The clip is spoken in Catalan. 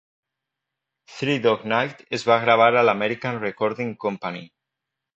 "Three Dog Night" es va gravar a l'American Recording Company.